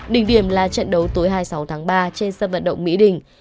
đỉnh điểm là trận đấu tối hai mươi sáu tháng ba trên sân vận động mỹ đình